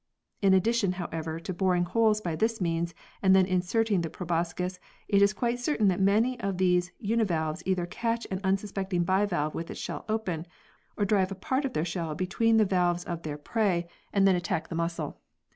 In addition, however, to boring holes by this means and then inserting the proboscis, it is quite certain that many of these univalves either catch an unsuspecting bivalve with its shell open, or drive part of their shell between the valves of their prey and iv] LIFE HISTORY AND ENVIRONMENT 51 then attack the muscle.